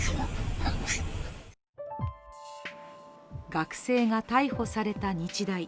学生が逮捕された日大。